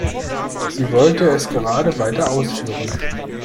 Sie wollte es gerade weiter ausführen.